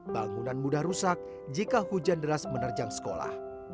bangunan mudah rusak jika hujan deras menerjang sekolah